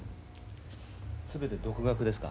全て独学ですか？